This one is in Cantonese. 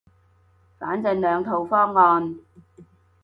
反正兩套方案